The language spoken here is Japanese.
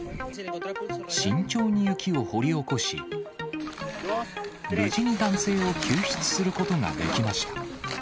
慎重に雪を掘り起こし、無事に男性を救出することができました。